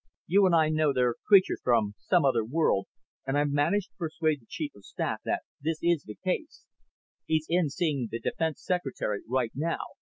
You and I know they're creatures from some other world, and I've managed to persuade the Chief of Staff that this is the case. He's in seeing the Defense Secretary right now.